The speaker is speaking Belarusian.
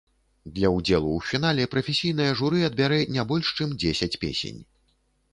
Для ўдзелу ў фінале прафесійнае журы адбярэ не больш чым дзесяць песень.